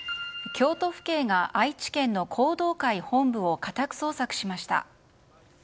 京都府警が愛知県の弘道会本部を家宅捜索しました。